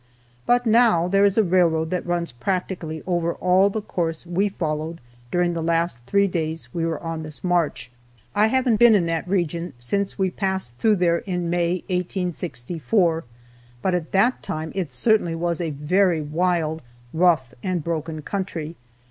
But now there is a railroad that runs practically over all the course we followed during the last three days we were on this march. I haven't been in that region since we passed through there in May, 1864, but at that time it certainly was a very wild, rough, and broken country.